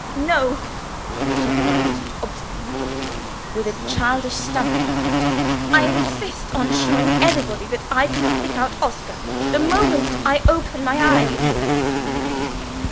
"No!" she cried obstinately, with a childish stamp of her foot. "I insist on showing everybody that I can pick out Oscar, the moment I open my eyes."